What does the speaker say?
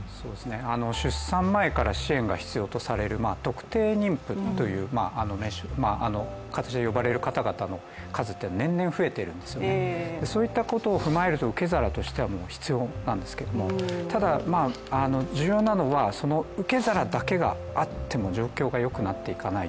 出産前から支援が必要とされる特定妊婦と呼ばれる方の数って年々増えているんですよね、そういったことを踏まえると、受け皿としては必要なんですけれども、ただ重要なのはその受け皿だけがあっても状況が良くなっていかない